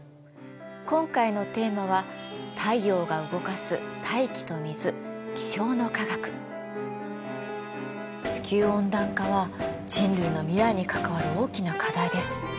今回のテーマは地球温暖化は人類の未来に関わる大きな課題です。